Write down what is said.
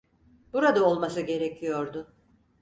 Burada olması gerekiyordu.